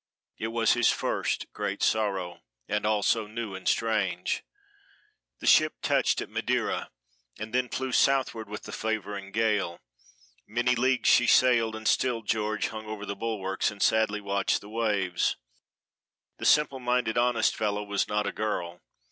It was his first great sorrow; and all so new and strange. The ship touched at Madeira, and then flew southward with the favoring gale. Many leagues she sailed, and still George hung over the bulwarks and sadly watched the waves. This simple minded, honest fellow was not a girl.